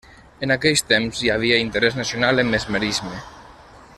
En aquells temps hi havia interès nacional en mesmerisme.